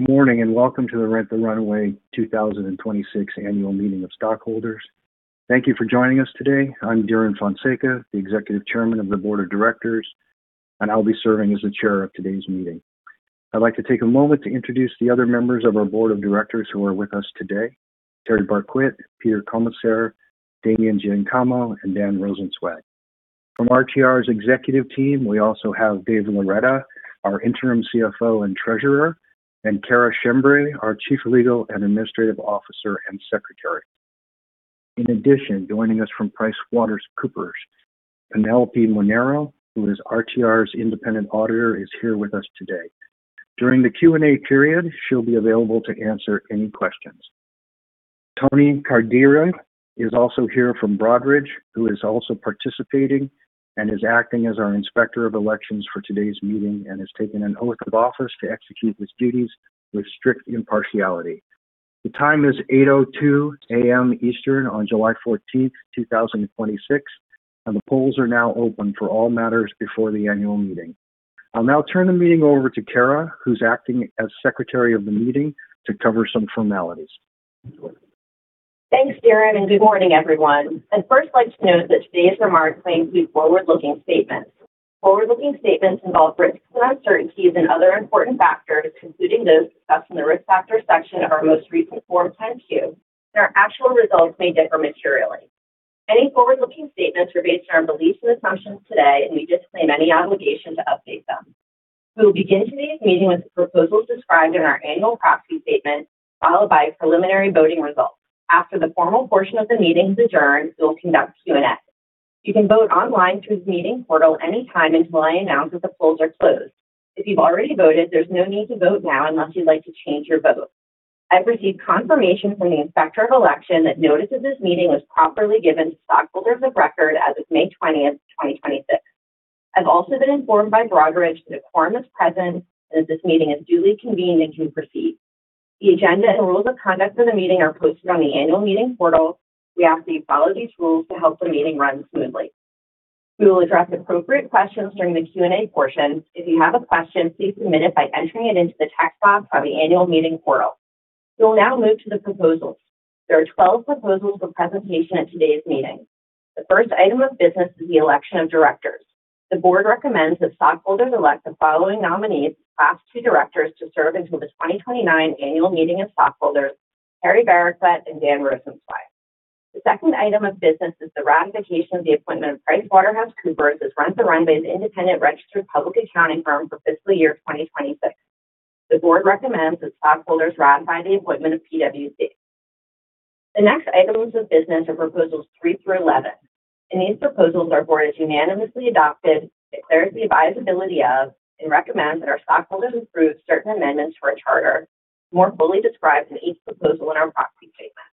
Good morning, welcome to the Rent the Runway 2026 Annual Meeting of Stockholders. Thank you for joining us today. I'm Dhiren Fonseca, the Executive Chairman of the Board of Directors, and I'll be serving as the chair of today's meeting. I'd like to take a moment to introduce the other members of our board of directors who are with us today, Teri Bariquit, Peter Comisar, Damian Giangiacomo, and Dan Rosensweig. From RTR's executive team, we also have Dave Loretta, our interim CFO and treasurer, and Cara Schembri, our Chief Legal and Administrative Officer and Secretary. In addition, joining us from PricewaterhouseCoopers, Penelope Moreno, who is RTR's independent auditor, is here with us today. During the Q&A period, she'll be available to answer any questions. Tony Cardera is also here from Broadridge, who is also participating and is acting as our Inspector of Elections for today's meeting and has taken an oath of office to execute his duties with strict impartiality. The time is 8:02 A.M. Eastern on July 14th, 2026, the polls are now open for all matters before the annual meeting. I'll now turn the meeting over to Cara, who's acting as Secretary of the meeting, to cover some formalities. Thanks, Dhiren, good morning, everyone. I'd first like to note that today's remarks may include forward-looking statements. Forward-looking statements involve risks and uncertainties and other important factors, including those discussed in the Risk Factors section of our most recent Form 10-Q, our actual results may differ materially. Any forward-looking statements are based on our beliefs and assumptions today, we disclaim any obligation to update them. We will begin today's meeting with the proposals described in our annual proxy statement, followed by preliminary voting results. After the formal portion of the meeting has adjourned, we will conduct Q&A. You can vote online through the meeting portal anytime until I announce that the polls are closed. If you've already voted, there's no need to vote now unless you'd like to change your vote. I've received confirmation from the Inspector of Election that notice of this meeting was properly given to stockholders of record as of May 20th, 2026. I've also been informed by Broadridge that a quorum is present, this meeting is duly convened and can proceed. The agenda and rules of conduct of the meeting are posted on the annual meeting portal. We ask that you follow these rules to help the meeting run smoothly. We will address appropriate questions during the Q&A portion. If you have a question, please submit it by entering it into the text box on the annual meeting portal. We will now move to the proposals. There are 12 proposals for presentation at today's meeting. The first item of business is the election of directors. The board recommends that stockholders elect the following nominees as Class II directors to serve until the 2029 annual meeting of stockholders, Teri Bariquit and Dan Rosensweig. The second item of business is the ratification of the appointment of PricewaterhouseCoopers as Rent the Runway's independent registered public accounting firm for fiscal year 2026. The board recommends that stockholders ratify the appointment of PwC. The next items of business are proposals 3 through 11. In these proposals, our board has unanimously adopted, declares the advisability of, and recommends that our stockholders approve certain amendments to our charter, more fully described in each proposal in our proxy statement.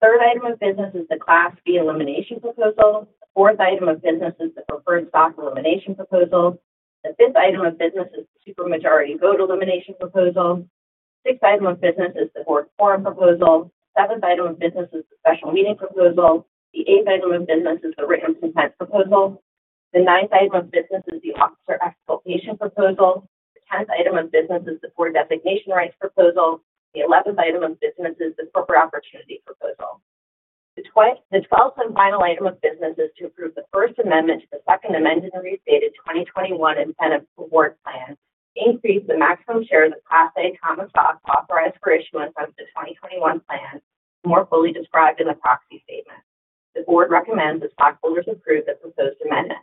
The third item of business is the Class B elimination proposal. The fourth item of business is the preferred stock elimination proposal. The fifth item of business is the super majority vote elimination proposal. The sixth item of business is the board quorum proposal. The seventh item of business is the special meeting proposal. The eighth item of business is the written consent proposal. The ninth item of business is the officer exculpation proposal. The tenth item of business is the board designation rights proposal. The eleventh item of business is the corporate opportunity proposal. The twelfth and final item of business is to approve the First Amendment to the Second Amended and Restated 2021 Incentive Award Plan to increase the maximum shares of Class A common stock authorized for issuance under the 2021 plan, more fully described in the proxy statement. The board recommends that stockholders approve the proposed amendment.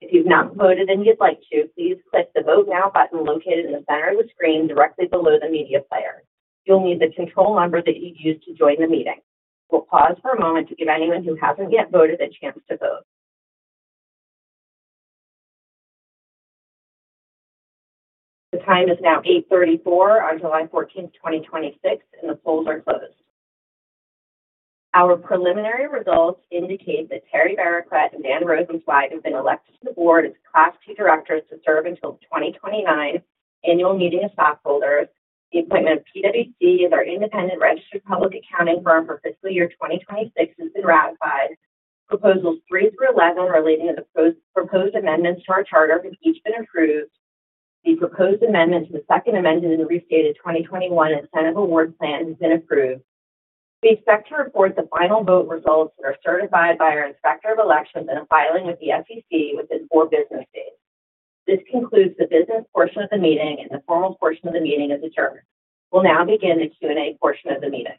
If you've not voted and you'd like to, please click the Vote Now button located in the center of the screen directly below the media player. You'll need the control number that you used to join the meeting. We'll pause for a moment to give anyone who hasn't yet voted a chance to vote. The time is now 8:34 A.M. on July 14th 2026. The polls are closed. Our preliminary results indicate that Teri Bariquit and Dan Rosensweig have been elected to the board as Class II directors to serve until the 2029 annual meeting of stockholders. The appointment of PwC as our independent registered public accounting firm for fiscal year 2026 has been ratified. Proposals 3 through 11 relating to the proposed amendments to our charter have each been approved. The proposed amendment to the Second Amended and Restated 2021 Incentive Award Plan has been approved. We expect to report the final vote results that are certified by our Inspector of Elections in a filing with the SEC within 4 business days. This concludes the business portion of the meeting. The formal portion of the meeting is adjourned. We'll now begin the Q&A portion of the meeting.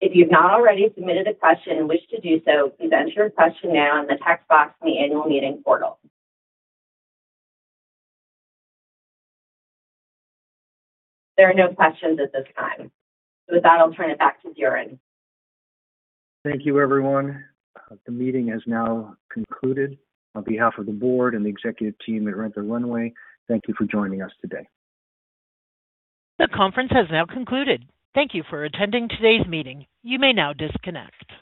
If you've not already submitted a question and wish to do so, please enter your question now in the text box in the annual meeting portal. There are no questions at this time. With that, I'll turn it back to Dhiren. Thank you, everyone. The meeting has now concluded. On behalf of the board and the executive team at Rent the Runway, thank you for joining us today. The conference has now concluded. Thank you for attending today's meeting. You may now disconnect.